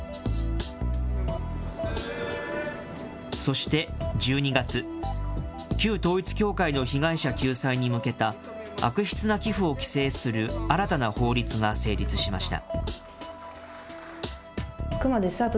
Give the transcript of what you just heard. そして１２月、旧統一教会の被害者救済に向けた悪質な寄付を規制する新たな法律が成立しました。